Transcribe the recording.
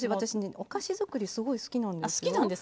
お菓子作りすごい好きなんですよ。